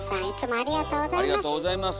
ありがとうございます。